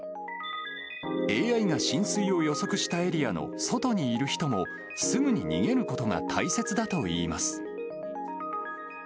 ＡＩが浸水を予測したエリアの外にいる人も、すぐに逃げることが大切だといいます。